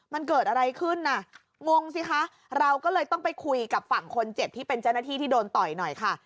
มันเกิดอะไรขึ้นน่ะงงสิคะเราก็เลยต้องไปคุยกับฝั่งคนเจ็บที่เป็นเจ้าหน้าที่ที่โดนต่อยหน่อยค่ะ